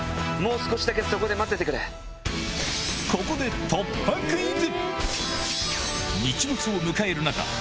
ここで突破クイズ！